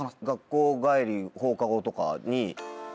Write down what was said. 学校帰り放課後とかに？